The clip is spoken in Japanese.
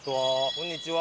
こんにちは。